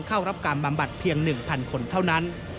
เข้ารับการบำบัดเพียง๑๐๐คนเท่านั้น